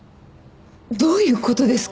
どういうことですか？